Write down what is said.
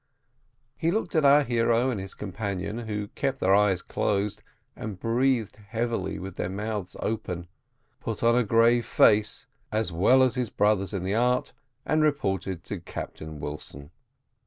He looked at our hero and his companion, who kept their eyes closed, and breathed heavily with their mouths open, put on a grave face as well as his brothers in the art, and reported to Captain Wilson.